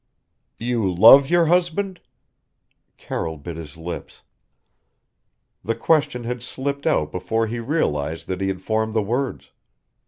"You love your husband?" Carroll bit his lips. The question had slipped out before he realized that he had formed the words.